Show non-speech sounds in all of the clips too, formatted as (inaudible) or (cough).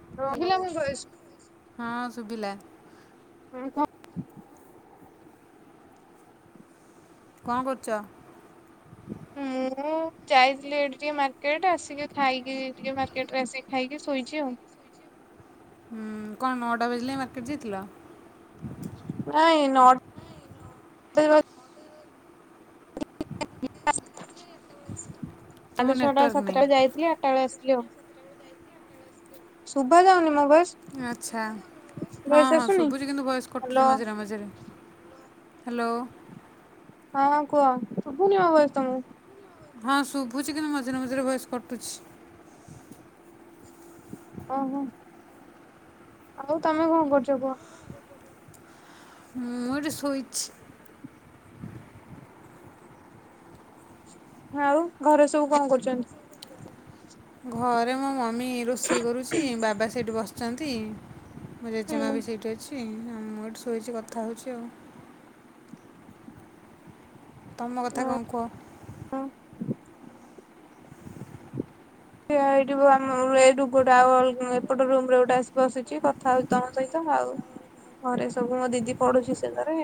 (inaudible) ହଁ, ଶୁଭିଲା। ହଁ, କ କଁ କରୁଚ? ମୁଁ ଯାଇଥିଲି ଏଇଠି ଟିକେ ମାର୍କେଟ ଆସିକି ଖାଇକି ଟିକେ ମାର୍କେଟରେ ଆସି ଖାଇକି ଶୋଇଚି ଆଉ। ହୁଁ, କଣ ନଅଟା ବାଜିଲାଣି ମାର୍କେଟ ଯାଇଥିଲ? ନାଇଁ ନଅ (unintelligible) (unintelligible) ତୁମ କାଲି ଛଅଟା ନେଟୱାର୍କ ନାହିଁ ସାତଟାରେ ଯାଇଥିଲି ଟା ବେଳେ ଆସିଲି ଆଉ। ଆଚ୍ଛା। ହଁ ଭଏସ ହଁ ଆସୁନି ଶୁଭୁଚି କିନ୍ତୁ ଭଏସ ହ୍ୟାଲୋ କଟୁଚି ମଝିରେ ମଝିରେ। ହ୍ୟାଲୋ। ହଁ କୁହ। ଶୁଭୁନି ମୋ ଭଏସ ତମକୁ? ହଁ, ଶୁଭୁଚି କିନ୍ତୁ ମଝିରେ ମଝିରେ ଭଏସ କଟୁଚି। ଓହୋ। ଆଉ ତମେ କଣ କରୁଚ କୁହ? ମୁଁ ଏଠି ସୋଇଚି। ଆଉ ଘରେ ସବୁ କଣ କରୁଚନ୍ତି? ଘରେ ମୋ ମମି ରୋଷେଇ କରୁଛି, ବାବା ସେଇଠି ବସିଚନ୍ତି ମୋ ଜେଜେମା ହୁଁ ବି ସେଇଠି ଅଛି ଆଉ ମୁଁ ଏଠି ଶୋଇଚି କଥା ହଉଚି ଆଉ। ତମ ଓ କଥା କଣ କୁହ? ଏ ଏଇଠି ଆମ ଏଇଟୁ ଗୋଟେ ଆଉ ଅଲଗା ଏପଟ ରୁମ ରେ ଗୋଟେ ଆସି ବସିଚି କଥା ହଉଚି ତମ ସହି ତ ଆଉ ଘରେ ସବୁ ମୋ ଦିଦି ପଢୁଛି ସେ ଘରେ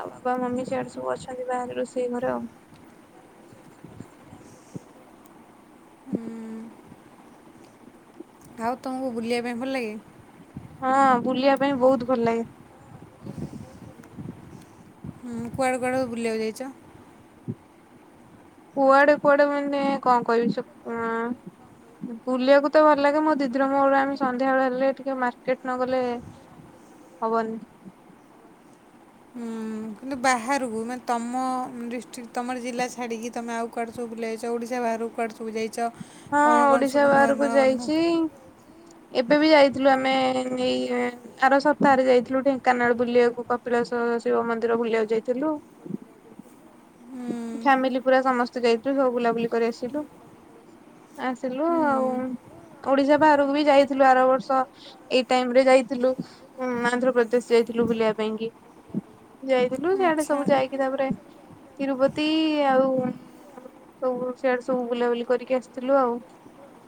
ଆଉ ବାବା, ମମି ସିଆଡେ ସବୁ ଅଛନ୍ତି ବାହାରେ ରୋଷେଇ ଘରେ ଆଉ। ଉଁ, ଆଉ ତମକୁ ବୁଲିବା ପାଇଁ ଭଲ ଲାଗେ? ହଁ, ବୁଲିବା ପାଇଁ ବହୁତ ଭଲ ଲାଗେ। ହୁଁ, କୁଆଡ଼େ କୁଆଡେ ବୁଲିବାକୁ ଯାଇଚ? କୁଆଡେ କୁଆଡେ ମାନେ କଣ କହିବି ଚ ଆଁ ବୁଲିବାକୁ ତ ଭଲ ଲାଗେ ମୋ ଦିଦିର ମୋର ଆମେ ସନ୍ଧ୍ୟାବେଳେ ହେଲେ ଟିକେ ମାର୍କେଟ ନ ଗଲେ ହବନି। ହୁଁ। କିନ୍ତୁ ବାହାରକୁ ମାନେ ତମ ଡିଷ୍ଟ୍ରିକ୍ଟ ତମର ଜିଲ୍ଲା ଛାଡ଼ିକି ତମେ ଆଉ କୁଆଡେ଼ ସବୁ ବୁଲି ଯାଇଚ ଓଡ଼ିଶା ବାହାରକୁ କୁଆଡେ ସବୁ କୁ ଯାଇଚ ହଁ, ଓଡିଶା ବାହାରକୁ ଯାଇଛି। ଏବେ ବି ଯାଇଥିଲୁ ଆମେ ଏଇଆଃ ଆର ସପ୍ତାହରେ ଯାଇଥିଲୁ ଢେଙ୍କାନାଳ ବୁଲିବାକୁ କପିଳାସ ଶିବ ମନ୍ଦିର ବୁଲିବାକୁ ଯାଇଥିଲୁ। ହୁଁ ଫ୍ୟାମିଲି ପୁରା ସମସ୍ତେ ଯାଇଥିଲୁ ସବୁ ବୁଲାବୁଲି କରି ଆସିଲୁ। ଆସିଲୁ ହୁଁ ଆଉ ଓଡିଶା ବାହାରକୁ ବି ଯାଇଥିଲୁ ଆର ବର୍ଷ। ଏଇ ଟାଇମରେ ଯାଇଥିଲୁ ମାନେ ଆନ୍ଧ୍ରପ୍ରଦେଶ ଯାଇଥିଲୁ ବୁଲିବା ପାଇଁ କି ଯାଇ ଥିଲୁ ସେଆଡେ ଆଚ୍ଛା ସବୁ ଯାଇକି ତାପରେ ତିରୁପତି ଆଉ ସବୁ ସିଆଡେ ସବୁ ବୁଲାବୁଲି କରିକି ଆସିଥିଲୁ ଆଉ।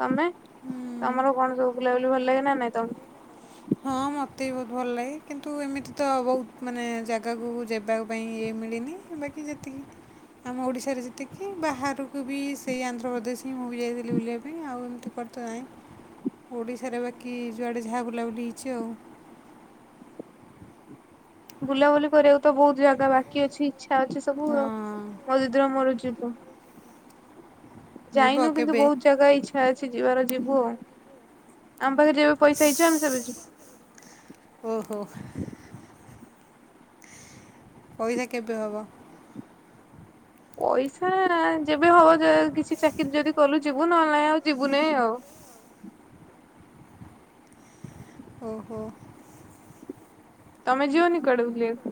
ତମେ ହୁଁ ତମର କଣ ସବୁ ବୁଲାବୁଲି ଭଲ ଲାଗେ ନା ନାଇଁ ତମ ହଁ, ମୋତେ ବି ବହୁତ ଭଲ ଲାଗେ କିନ୍ତୁ ଏମିତି ତ ବହୁତ ମାନେ ଜାଗାକୁ ଯିବା ପାଇଁ ଇଏ ମିଳିନି। ବେକି ଯେତିକି ଆମ ଓଡ଼ିଶାରେ ଯେତିକି ବାହାରକୁ ବି ସେଇ ଆନ୍ଧ୍ରପ୍ରଦେଶ ହିଁ ମୁଁ ବି ଯାଇଥିଲି ବୁଲିବା ପାଇଁ ଆଉ ଏମିତି କୁ ତ ନାହିଁ ଓଡ଼ିଶାରେ ବାକି ଯୁଆଡ଼େ ଯାହା ବୁଲାବୁଲି ହେଇଛି ଆଉ। ବୁଲାବୁଲି କରିବାକୁ ତ ବହୁତ ଜାଗା ବାକି ଅଛି ଇଛା ଅଛି ସବୁ ଆଉ ହଁ ମୋ ଦିଦିର ମୋର ଯିବୁ। ଯିବ ଯାଇନୁ କିନ୍ତୁ କେବେ ବହୁତ ଜାଗା ଇଚ୍ଛା ଅଛି ଯିବାର ଯିବୁ ଆଉ। ଆମ ପାଖରେ ଜି ପଇସା ହେଇଯିବ ଆମେ ସେବେ ଯିବୁ। ଓହୋ। ପଇସା କେବେ ହେବ? ପଇସା ଯେବେ ହବ ଯା କିଛି ଚାକିରି ଯଦି କଲୁ ଯିବୁ ନହେଲେନାହିଁ ଆଉ ଯିବୁନାହିଁ ଆଉ। ଓହୋ। ତମେ ଯିବନି କୁଆଡେ ବୁଲିବାକୁ?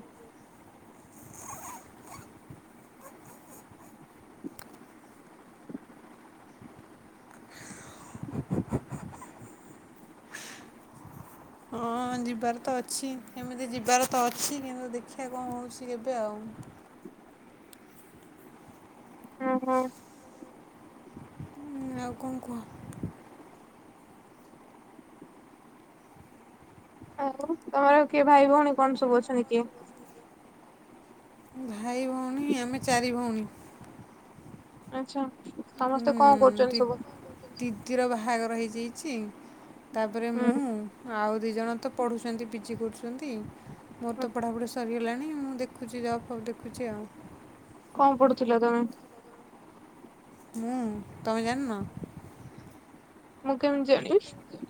ହଁ ଯିବାର ତ ଅଛି କେମିତି ଯିବାର ତ ଅଛି କିନ୍ତୁ ଦେଖିବା କଣ ହେଉଛି କେବେ ଆଉ। ହଁ ହଁ। ଉଁ ଆଉ କଣ କୁହ? ଆଉ ତମର କିଏ ଭାଇ ଭଉଣୀ କଣ ସବୁ ଅଛନ୍ତି କିଏ? ଭାଇ ଭଉଣୀ ଆମେ ଚାରି ଭଉଣୀ। ଆଚ୍ଛା। ସମସ୍ତେ କଣ ହଁ କରୁଛନ୍ତି ଟି ସବୁ? ଦିଦିର ବାହାଘର ହେଇ ଯାଇଛି। ତାପରେ ହୁଁ ମୁଁ ଆଉ ଦି ଜଣ ତ ପଢ଼ୁଛନ୍ତି ପିଜି କରୁଛନ୍ତି। ମୋର ହୁଁ ତ ପଢ଼ାପଢ଼ି ସରିଗଲାଣି। ମୁଁ ଦେଖୁଛି ଯବ ଫବ ଦେଖୁଛି ଆଉ। କଣ ପଡୁଥିଲ ତମେ? ମୁଁ ତମେ ଜାଣିନ? ମୁଁ କେମିତି ଜାଣିବି।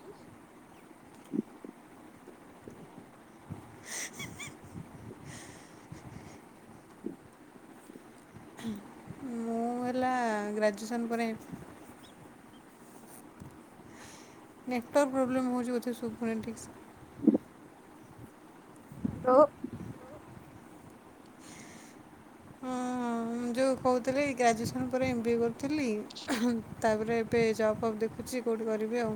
ମୁଁ ହେଲା ଗ୍ରାଜୁଏସନ୍ ପରେ ନେଟୱାର୍କ ପ୍ରୋବଲେମ ହଉଛି ବୋଧେ ସୁବୁନି ଠିକ ସେ। ଲୋ ଯଉ କହୁଥିଲି ଗ୍ରାଜୁଏସନ୍ ପରେ ଏମ୍ ବି ଏ କରୁଥିଲି ତାପରେ ଏବେ ଜବ୍ ଫବ ଦେଖୁଛି। କଉଠି କରିବି ଆଉ।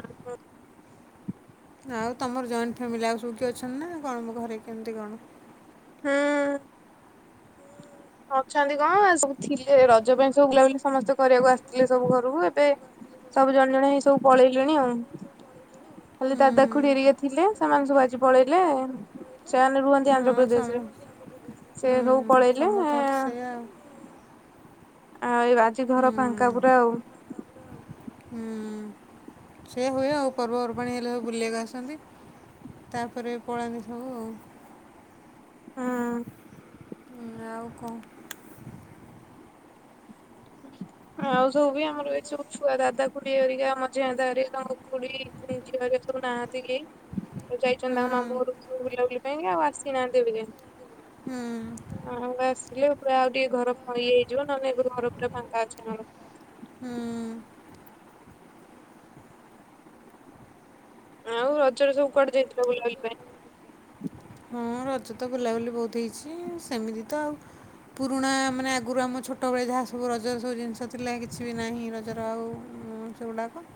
ଅହଂ ହଁ। ଆଉ ତମର ଜଏଣ୍ଟ ଫ୍ୟାମିଲି ଆଉ ସବୁ କି ଅଛନ୍ତି ନା କଣ ମୋ ଘରେ କେମିତି କଣ? ହଁ। ଅଛନ୍ତି କଣ ସବୁ ଥିଲେ ରଜ ପାଇଁ ସବୁ ବୁଲାବୁଲି ସମସ୍ତେ କରିବାକୁ ଆସିଥିଲେ ସବୁ ଘରକୁ ଏବେ ସବୁ ଜଣେ ଜଣ ହେଇ ସବୁ ପଳେଇଲେଣି ଆଉ। ଖାଲି ହୁଁ ଦାଦାଖୁଡି ଏରିକା ଥିଲେ ସେମାନେ ସବୁ ଆଜି ପଳେଇଲେ। ସେମାନେ ରୁହନ୍ତି ହଁ ସମ ଆନ୍ଧ୍ରପ୍ରଦେଶରେ ସେ ହୁଁ ସବୁ ପଳେଇଲେ ସମସ୍ତଙ୍କର ତ ଆଃ ସେଇଆ ଆଉ ଆ ଆଜି ହୁଁ ଘର ଫାଙ୍କା ପୁରା ଆଉ। ହୁଁ। ସେଇୟା ହୁଏ ଆଉ ପର୍ବପର୍ବାଣି ହେଲେ ସବୁ ବୁଲିବାକୁ ଆସନ୍ତି। ତାପରେ ପଳାନ୍ତି ସବୁ ଆଉ। ହଁ। ଆଉ କ ଆଉ ସବୁ ବି ଆମର ଏ ସବୁ ଛୁଆ ଦାଦା ଖୁଡିରିକା ମଝିଆ ଦାଦାରିକା ଖୁଡି (unintelligible) ସବୁ ନାହାନ୍ତି କି? ତ ଯାଇଛନ୍ତି ତାଙ୍କ ମାମୁଁ ଘରକୁ ସବୁ ବୁଲାବୁଲି ପାଇଁ କା ଆଉ ଆସିନାହାନ୍ତି ଏବେ ଯାଏଁ। ଆମେ ଆସିଲୁ ପୁରା ଆଉ ଟିକେ ଘର ଫଇ ହେଇଯିବ ନହେଲେ ଏବେ ଘର ପୁରା ଫାଂକାର ଅଛି ନଳ ଆଉ ରଜରେ ସବୁ କୁଆଡେ ଯାଇଥିଲା ବୁଲାୁବୁଲି ପାଇଁ? ହଁ ରଜ ତ ବୁଲାବୁଲି ବହୁତ ହେଇଛି ସେମିତି ତ ଆଉ ପୁରୁଣା ମାନେ ଆଗରୁ ଆମ ଛୋଟବେଳେ ଯାହା ସବୁ ରଜର ସବୁ ଜିନିଷ ଥିଲା କିଛି ବି ନାହିଁ ରଜର ଆଉ ସେଗୁଡ଼ାକ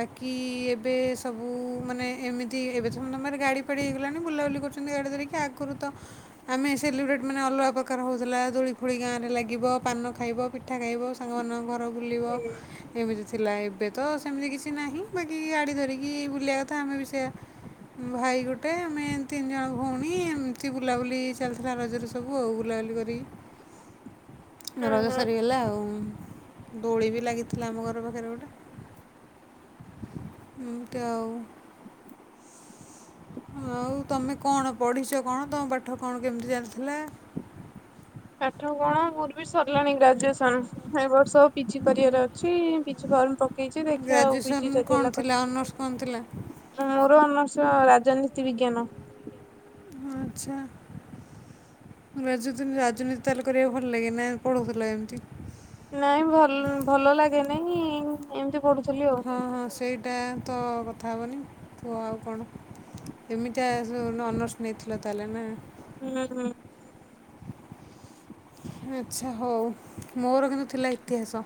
ବାକି ଏବେ ସବୁ ମାନେ ଏମିତି ଏବେ ତ ତମର ଗାଡ଼ି ଫାଡ଼ି ହେଇଗଲାଣି ବୁଲାବୁଲି କରୁ ଡେ ଧରିକି ଆଗରୁ ତ ଆମେ ସେଲିବ୍ରେଟ୍ ମାନେ ଅଲଗା ପ୍ରକାର ହେଉଥିଲା ଦୋଳି ଫୋଳି ଗାଁରେ ଲାଗିବ ପାନ ଖାଇବ। ପିଠା ଖାଇବ ସାଙ୍ଗମାନଙ୍କ ଘର ବୁଲିବ ଏମିତି ଥିଲା ଏବେ ତ ସେମିତି କିଛି ନାହିଁ ବାକି ଗାଡ଼ି ଧରିକି ବୁଲିବା କଥା ଆମେ ବି ସେଆ ଭାଇ ଗୋଟେ ଆମେ ଏତି ତିନି ଜଣ ଭଉଣୀ ଏମିତି ବୁଲାବୁଲି ଚାଲିଥିଲା ରଜରେ ସବୁ ଆଉ ବୁଲାବୁଲି କରି ହୁଁ ରଜ ହୁଁ ସରିଗଲା ଆଉ। ଦୋଳି ବି ଲାଗିଥିଲା ଆମ ଘର ପାଖରେ ଗୋଟେ ଏମତି ଆଉ ଆଉ ତମେ କଣ ପଢ଼ିଛ କଣ ତମ ପାଠ କଣ କେମିତି ଚାଲିଥିଲା? ପାଠ କଣ ମୋର ବି ସରିଲାଣି ଗ୍ରାଜୁଏସନ ଏ ବର୍ଷ ପିଜି କରିବାର ଅଛି। ଫର୍ମ ପକେଇଛି ଦେଖିବା ଆଉ ଗ୍ରାଜୁଏସନ୍ ପିଜି ଯଦି କ'ଣ ହେଲା ଥିଲା ଅନର୍ସ କ'ଣ ଥିଲା କରିବା। ମୋର ଅନର୍ସ ରାଜନୀତି ବିଜ୍ଞାନ। ଆଚ୍ଛା। ଗ୍ରାଜୁ ରାଜନୀତି ତାହେଲେ କରିବାକୁ ଭଲ ଲାଗେ ନାହି ପଢୁଥିଲା ଏମିତି। ନାଇଁ ଭଲ୍ ଭଲ ଲାଗେନାଇଁ ଏମିତି ପଢୁଛି। ହଁ ହଁ ସେଇଟା ତ କଥା ହବନି ତୁ ଆଉ କଣ ଏମିତି ଆ ଅନର୍ସ ନେଇଥିଲ ତାହେଲେ ନା। ହୁଁ ହଁ। ଆଛା ହଉ ମୋର କିନ୍ତୁ ଥିଲା ଇତିହାସ।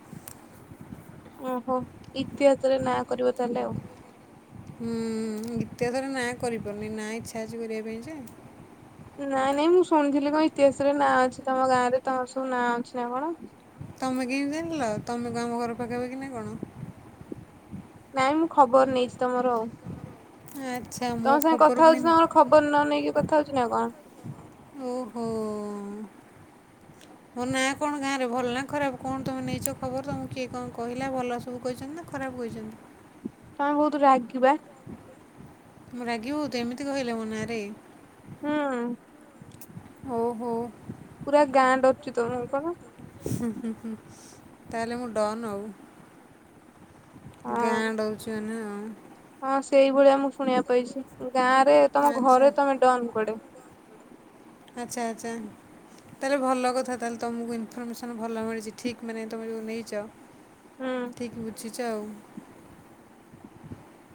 ଓହୋ ଇତିହାସରେ ନାଁ କରିବ ତାହେଲେ ଆଉ। ହୁଁ ଇତିହାସରେ ନାଁ କରିପାରୁନି ନାଁ ଇଚ୍ଛା ଅଛି କରିବା ପାଇଁ ସେ ନାଇଁ ନାଇଁ ମୁଁ ଶୁଣିଥିଲି କଣ ଇତିହାସରେ ନାଁ ଅଛି ତମ ଗାଁ ରେ ତମର ସବୁ ନାଁ ଅଛି ନା କଣ? ତମେ କେନ୍ତି ଜାଣିଲ ତମକୁ ଆମ ଘର ପକେଇବା କି ନାଇଁ କଣ? ନାଇଁ ମୁଁ ଖବର ନେଇଛି ତମର ଆଉ। ଆଛା। ତମ ସାଙ୍ଗେ କଥା ହଉଛି ତମର ଖବର ନ ନେଇକି କଥା ହଉଛି ନା କଣ। ଓହୋ ମୋ ନାଁ କଣ ଗାଁରେ ଭଲ ନା ଖରାପ କଣ ତୁମେ ନେଇଛ ଖବର ତମକୁ କିଏ କଣ କହିଲା ଭଲ ସବୁ କହିଛନ୍ତି ନା? ଖରାପ କହିଛନ୍ତି। ତମେ ବହୁତ ରାଗିବା ମୁଁ ରାଗିି ବହୁତ୍ ଏମିତି କହିଲେ ମୋ ନାଁରେ। ହଁ। ଓ ହୋ। ପୁରା ଗାଣ୍ଡ ଅଛି ତମଙ୍କର ହୁଁ ହୁଁ ତାହେଲେ ମୁଁ ଡନ ଆଉ। ହଁ। ଗାଁ ଡରୁଛି ମାନେ ଆଉ। ହଁ ସେଇଭଳିଆ ମୁଁ ଶୁଣିବା ପାଇଛି ଗାଁ ରେ ତମ ଆଚ୍ଛା ଘରେ ତମେ ଡନ କୁଆଡେ। ଆଚ୍ଛା ଆଚ୍ଛା। ତାହେଲେ ଭଲ କଥା ତାହେଲେ ତମକୁ ଇନଫର୍ମେସନ ଭଲ ମିଳିଛି ଠିକ ମାନେ ତମେ ଯଉ ନେଇଚ। ହୁଁ। ଠିକ୍ ବୁଝିଛ ଆଉ।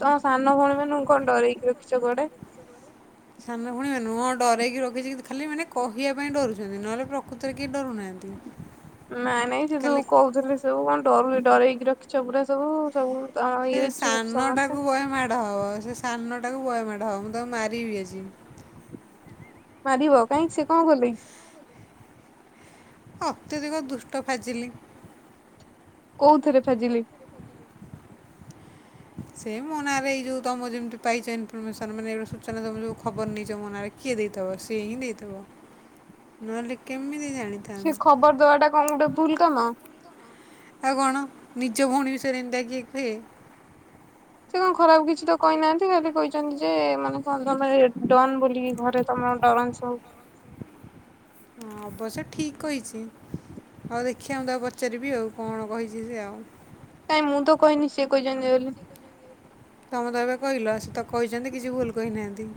ତ ସାନ ଭଉଣୀ ମାନଙ୍କୁ କଣ ଡରେଇକି ରଖିଛ କୁଆଡେ। ସାନ ଭଉଣୀ ମାନକୁ ହଁ ଡ଼ରେଇକି ରଖିଛି ଖାଲି ମାନେ କହିବା ପାଇଁ ଡରୁଛନ୍ତି ନହେଲେ ପ୍ରକୃତରେ କେହି ଡରୁନାହାନ୍ତି। ନାଇ ନାଇଁ ସେ ଖାଲି ଯୋଉ କହୁଥିଲେ ସବୁ କଣ ଡରୁନ ଡରେଇକି ରଖିଛ ପୁରା ସବୁ ସବୁ। ତମ ସେ ଇଏରେ ଚୁପ୍ ସମସ୍ତେ ସାନଟାକୁ ବହେ ମାଡ଼ ହବ ସେ ସାନଟାକୁ ବହେ ମାଡ଼ ହବ ମୁଁ ତାକୁ ମାରିବି ଆଜି। ମାରିବ କାହିଁକି ସେ କଣ କଲେ? ଅତ୍ୟଧିକ ଦୁଷ୍ଟ ଫାଜିଲି। କୋଉଥେରେ ଫାଜିଲି। ସେ ମୋ ନାଁରେ ଏଇ ଯୋଉ ତମ ଯେମିତି ପାଇଛ ଇନଫର୍ମେସନ ମାନେ ସୂଚନା ତମ ଯୋଉ ଖବର ନେଇଛ ମୋ ନାଁ ରେ। କିଏ ଦେଇଥବ ସିଏ ହିଁ ଦେଇଥବ ନହେଲେ କେମିତି ଜାଣି ସେ ଖବର ଦବାଟା କଣ ଗୋଟେ ଭୁଲ କାମ? ଆଉ କଣ ନିଜ ଭଉଣୀ ବିଷୟରେ ଏମିତିଆ କିଏ କୁହେ। ସେ କଣ ଖରାପ କିଛି ତ କହିନାହାନ୍ତି ଖାଲି କହିଛନ୍ତି ଯେ ମାନେ କଣ ତମେ ଡନ ବୋଲିକି ଘରେ। ତମ ଡରନ୍ତି ସବୁ। ହଁ ଅବଶ୍ୟ ଠିକ୍ କହିଛି। ହଉ ଦେଖିଆ ମୁଁ ତାକୁ ପଚାରିବି ଆଉ କଣ କହିଛି ସେ ଆଉ। କାଇଁ ମୁଁ ତ କହିନି ସେ କହିଚନ୍ତି ବୋଲି। ତମେ ତ ଏବେ କହିଲ ସେ ତ କହିଛନ୍ତି କିଛି ଭୁଲ କହିନାହାନ୍ତି।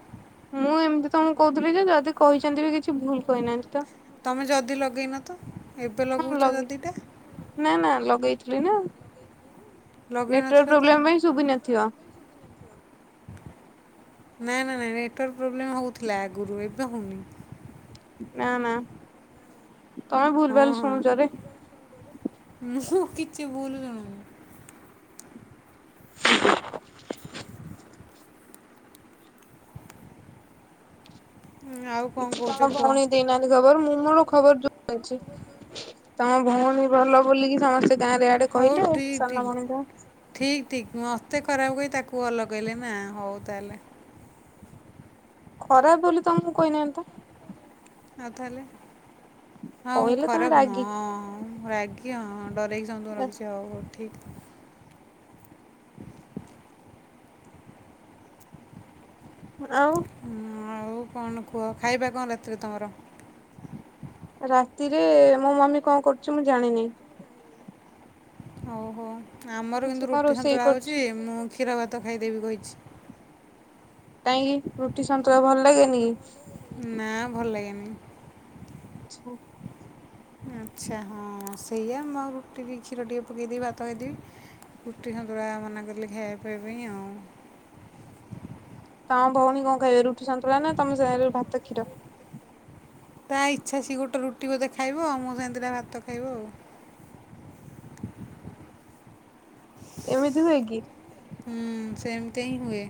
ମୁଁ ଏମିତି ତମକୁ କହୁଥିଲି ଯେ ଯଦି କହିଛନ୍ତି ବି କିଛି ଭୁଲ କହିନାହାନ୍ତି ତ। ତମେ ଯଦି ଲଗେଇନ ତ ଏବେ ହଁ ଲଗଉଚ ଲଗେଇ ଯଦିଟା। ନା ନା ଲଗେଇଥିଲି ନା ଲଗେଇ ନଥିଲ ନେଟୱାର୍କ ତ ପ୍ରୋବ୍ଲେମ୍ ପାଇଁ ସୁଭିନଥିବ। (inaudible) ନାଇ ନା ନାଇ ନେଟୱାର୍କ ପ୍ରୋବ୍ଲେମ୍ ହଉଥିଲା ଆଗରୁ ଏବେ ହଉନି। ନା ନା ତମେ ଭୁଲ ହଁ ଭାଲ ହଁ ଶୁଣୁଛ ରେ। ମୁଁ କିଛି ଭୁଲ ଶୁଣୁନି। (unintelligible) ଉଁ, ଆଉ କ'ଣ କିଛି କହୁଛ ତମ କୁହ ଭଉଣୀ ଦେଇନାହାନ୍ତି ଖବର ମୁଁ ମୋର ଖବର ଜଣିଛି ତମ ଭଉଣୀ ଭଲ ବୋଲିକି ସମସ୍ତେ ଗାଁରେ ଆଡେ ହଉ କହିଲେ ଠିକ୍ ଠିକ୍ ସାନମଣିଟା। ଠିକ୍ ଠିକ୍ ମତେ ଖରାପ କହି ତାକୁ ଭଲ କହିଲେ ନା ହଉ ତାହେଲେ। ଖରାପ ବୋଲି ତମକୁ କହିନାହାନ୍ତି ତ। ଆଉ ତାହେଲେ ହଁ ମୁଁ କହିଲେ ତମେ ଖରାପ ରାଗି ନୁହଁ ମୁଁ ରା ଗି ଆଉ ଡରେଇକି ସମସ୍ତକୁ ରଖଛି ଆଉ ଠିକ ଆଉ। ହୁଁ ଆଉ କଣ କୁହ ଖାଇବା କଣ ରାତିରେ ତମର? ରାତିରେ ମୋ ମମି କଣ କରୁଚି ମୁଁ ଜାଣିନି। ହଉ ହୋ ଆମର ସେ କିନ୍ତୁ କଣ ରୁଟି ରୋଷେଇ ସନ୍ତୁଳା ହଉଛି କରୁଛି ମୁଁ କ୍ଷୀର ଭାତ ଖାଇଦେବି କହିଛି। କାହିଁକି ରୁଟି ସନ୍ତୁଳା ଭଲ ଲାଗେନି କି? ନା ଭଲ ଲାଗେନି। (inaudible) ଆଚ୍ଛା ହଁ ସେଇଆ ମୁଁ ଆଉ ରୁଟି କ୍ଷୀର ଟିକେ ପକାଇଦେଇକି ଭାତ ଖାଇଦେବି। କୁଟି ସନ୍ତୁଳା ମନା କଲେ ଖାଇବା ପାଇବା ପାଇଁ ଆଉ। ତମ ଭଉଣୀ କଣ ଖାଇବେ ରୁଟିି ସନ୍ତୁଳା ନା ତମ ସାଙ୍ଗରେ ଭାତ କ୍ଷୀର। ତା ଇଚ୍ଛା ସିଏ ଗୋଟେ ରୁଟି ବୋଧେ ଖାଇବ ଆଉ ମୋ ସାଙ୍ଗେ ଦିଟା ଭାତ ଖାଇବ ଆଉ। ଏମିତି ହୁଏକି? ହୁଁ ସେମତି ହିଁ ହୁଏ।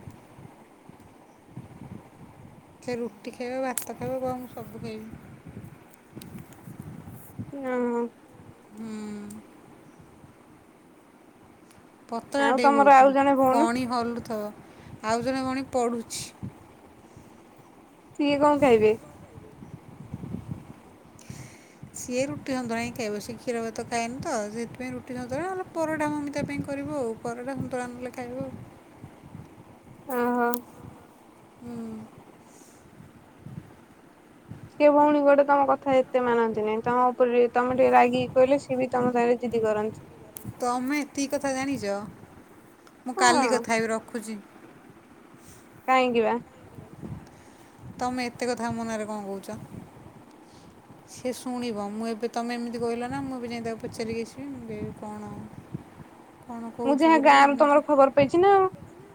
ସେ ରୁଟି ଖାଇବ ଭାତ ଖାଇବ କହିବ ମୁଁ ସବୁ ଖାଇବି। ନାଁ। ହୁଁ। ଆଉ ପତଳାଟେ ତମର ବହୁତ ଆଉ ଜଣେ ଭଉଣୀ କଣି ହଲୁଥବ ଆଉ ଜଣେ ଭଣି ପଢୁଛି। ସିଏ କଣ ଖାଇବେ? ସିଏ ରୁଟି ସନ୍ତୁଳା ହିଁ ଖାଇବ ସିଏ କ୍ଷୀର ଭାତ ଖାଏନି ତ ସେଥିପାଇଁ ରୁଟି ସନ୍ତୁଳା ନଲେ ପରଟା ମମି ତା ପାଇଁ କରିବ ଆଉ ପରଟା ସନ୍ତୁଳା ନହେଲେ ଖାଇବ ଆଉ ଅହ। ସେ ଭଉଣୀ କୁଆଡେ ତମ କଥା ଏତେ ମାନନ୍ତିନି ତମ ଉପରେ ତମେ ଟିକେ ରାଗିକି କହିଲେ ସିଏ ବି ତମ ସାରେ ଜିଦି କରନ୍ତି। ତମେ ଏତିକି କଥା ଜାଣିଚ ମୁଁ କାଲି ହଁ କଥା ହେବି ରଖୁଛି। କାଇଁକିି ବା? ତମେ ଏତେ କଥା ମୋ ନାଁରେ କଣ କହୁଛ? ସିଏ ଶୁଣିବ ମୁଁ ଏବେ ତମେ ଏମିତି କହିଲ ନା ମୁଁ ଏବେ ଯାଇ ତାକୁ ପଚାରିକି ଆସିବି ମୁଁ କଣ? କ'ଣ ମୁଁ କହୁଛୁ ଯାହା ବୋଲି ଗାଁ ରୁ ଏମିତି ତମର ଖବର ପାଇଛି ନା ଆଉ